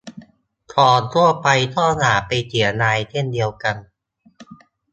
ของทั่วไปก็อย่าไปเสียดายเช่นเดียวกัน